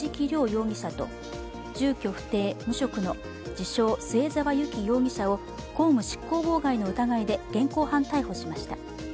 容疑者と住居不定・無職の自称・末澤有希容疑者を公務執行妨害の疑いで現行犯逮捕しました。